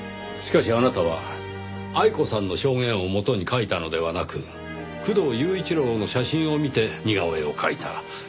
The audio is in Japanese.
しかしあなたは愛子さんの証言をもとに描いたのではなく工藤雄一郎の写真を見て似顔絵を描いた。